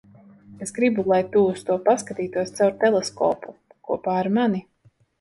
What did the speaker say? Es gribu, lai tu uz to paskatītos caur teleskopu - kopā ar mani.